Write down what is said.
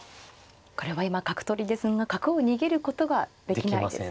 これは今角取りですが角を逃げることができないですね。